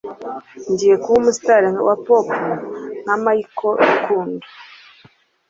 Ngiye kuba umustar wa pop nka Michael Rukundo